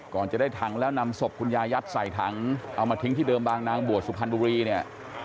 ก่อนจะได้ถังแล้วนำศพคุณยายัดใส่ถังเอามาทิ้งที่เดิมบางนางบวชสุพรรณบุรีเนี่ย